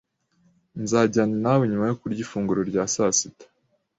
Nzajyana nawe nyuma yo kurya ifunguro rya sasita